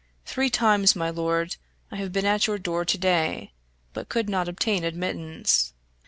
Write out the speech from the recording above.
Three times, my lord, I have been at your door to day, but could not obtain admittance.